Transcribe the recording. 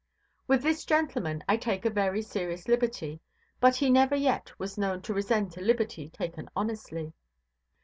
With this gentleman I take a very serious liberty; but he never yet was known to resent a liberty taken honestly.